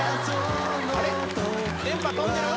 電波飛んでる？